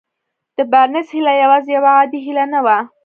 د بارنس هيله يوازې يوه عادي هيله نه وه.